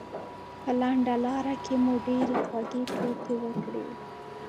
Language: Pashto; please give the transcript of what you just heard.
په لنډه لاره کې مو ډېرې خوږې ټوکې وکړې.